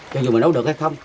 cho dù mình đấu được hay không